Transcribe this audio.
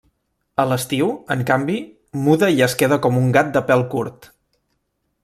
A l'estiu, en canvi, muda i es queda com un gat de pèl curt.